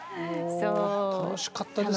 楽しかったですね。